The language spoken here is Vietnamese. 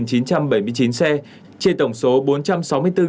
trên tổng số bốn trăm sáu mươi bốn một trăm tám mươi ba xe